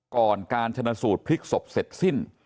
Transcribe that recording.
ก่อนการชนสูตรพลิกศพเสร็จสิ้น